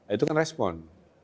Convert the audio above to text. itu kan respon